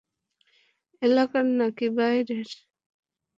এলাকার না-কি বাইরের?